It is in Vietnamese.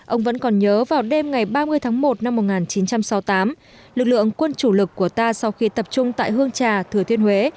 ông vẫn còn nhớ vào đêm ngày ba mươi tháng một năm một nghìn chín trăm sáu mươi tám lực lượng quân chủ lực của ta sau khi tập trung tại hương trà thừa thiên huế